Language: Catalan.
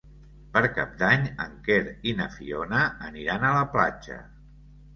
Per Cap d'Any en Quer i na Fiona aniran a la platja.